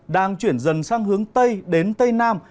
đang chuyển dần sang hướng tây đến tây nam